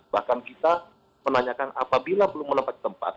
bahkan kita menanyakan apabila belum menempati tempat